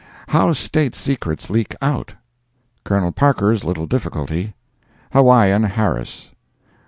—How State Secrets Leak Out—Colonel Parker's Little Difficulty—Hawaiian Harris.